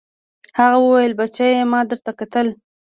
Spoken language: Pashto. هغه وويل بچيه ما درته کتل.